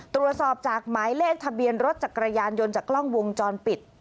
ตรวจสอบจากหมายเลขทะเบียนรถจักรยานยนต์จากกล้องวงจรปิด